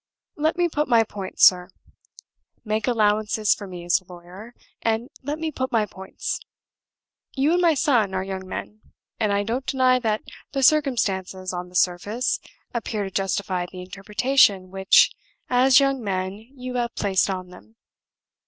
Let me put my points, sir make allowances for me as a lawyer and let me put my points. You and my son are young men; and I don't deny that the circumstances, on the surface, appear to justify the interpretation which, as young men, you have placed on them.